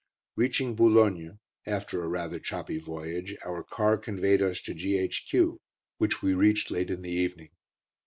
Reaching Boulogne, after a rather choppy voyage, our car conveyed us to G.H.Q., which we reached late in the evening.